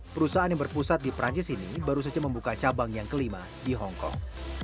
perusahaan yang berpusat di perancis ini baru saja membuka cabang yang kelima di hongkong